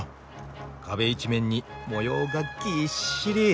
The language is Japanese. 壁一面に模様がぎっしり。